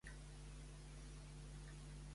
Quin paper va tenir al Grup Parlamentari Socialista?